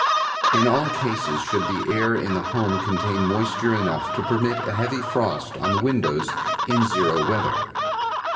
In all cases should the air in the home contain moisture enough to permit a heavy frost on the windows in zero weather.